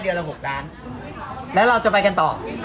ละ๖ล้านแล้วเราจะไปกันต่อ